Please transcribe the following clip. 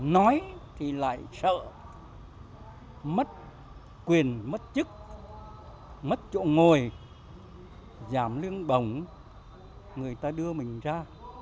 nói thì lại sợ mất quyền mất chức mất chỗ ngồi giảm lương người ta đưa mình ra